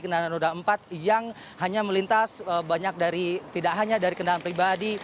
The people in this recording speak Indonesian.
kendaraan roda empat yang hanya melintas banyak dari tidak hanya dari kendaraan pribadi